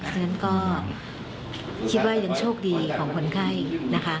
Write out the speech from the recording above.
ฉะนั้นก็คิดว่ายังโชคดีของคนไข้นะคะ